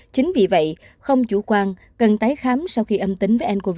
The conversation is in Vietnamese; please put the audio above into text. chính vì vậy không chủ quan cần tái khám sau khi âm tính với ncov